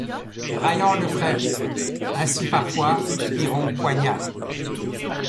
Raillant le prêtre ; ainsi parfois Pyrrhon poignarde